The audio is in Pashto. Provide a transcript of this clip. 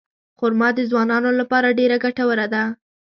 خرما د ځوانانو لپاره ډېره ګټوره ده.